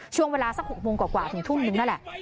ช่วงเวลาสัก๖โมงกว่าถึงทุ่มนึงนั่นแหละ